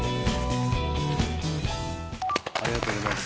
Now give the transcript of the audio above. ありがとうございます。